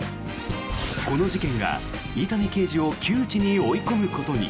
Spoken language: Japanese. この事件が、伊丹刑事を窮地に追い込むことに。